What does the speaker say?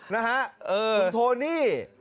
นะฮะคุณโทนี่